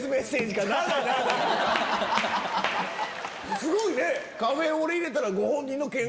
すごいね。